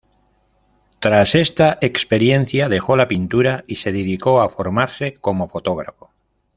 Tras esta experiencia dejó la pintura y se dedicó a formarse como fotógrafo.